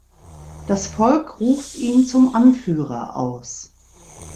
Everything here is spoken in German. Das Volk ruft ihn zum Anführer aus.